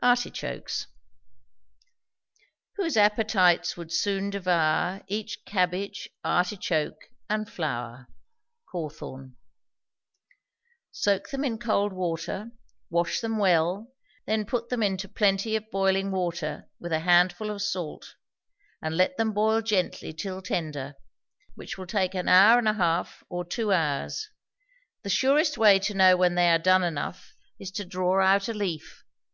ARTICHOKES. Whose appetites would soon devour Each cabbage, artichoke, and flower. CAWTHORNE. Soak them in cold water, wash them well, then put them into plenty of boiling water, with a handful of salt, and let them boil gently till tender, which will take an hour and a half or two hours. The surest way to know when they are done enough is to draw out a leaf.